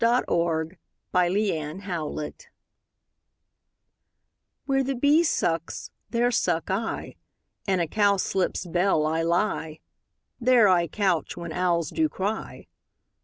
Fairy Land iv WHERE the bee sucks, there suck I: In a cowslip's bell I lie; There I couch when owls do cry.